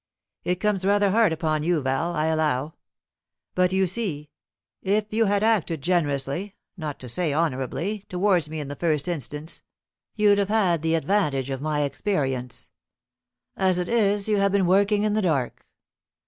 It comes rather hard upon you, Val, I allow; but, you see, if you had acted generously, not to say honourably, towards me in the first instance, you'd have had the advantage of my experience. As it is, you have been working in the dark.